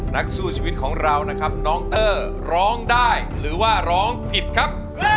นักสู้ชีวิตของเรานะครับน้องเตอร์ร้องได้หรือว่าร้องผิดครับ